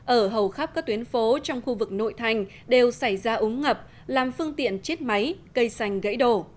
ở hầu khắp các tuyến phố trong khu vực nội thành đều xảy ra úng ngập làm phương tiện chết máy cây xanh gãy đổ